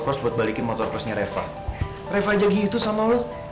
course buat balikin motor kursinya reva reva jadi itu sama lu